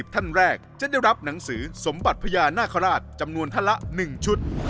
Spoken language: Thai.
ท่านแรกจะได้รับหนังสือสมบัติพญานาคาราชจำนวนท่านละ๑ชุด